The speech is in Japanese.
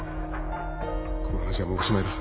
この話はもうおしまいだ。